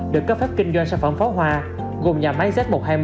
được cấp phép kinh doanh sản phẩm pháo hoa gồm nhà máy z một trăm hai mươi một